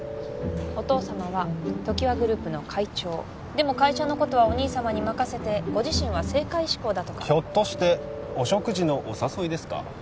お父様は常盤グループの会長でも会社のことはお兄様に任せてご自身は政界志向だとかひょっとしてお食事のお誘いですか？